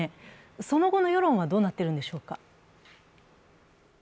その後の世論はどうなっているんでしょうか？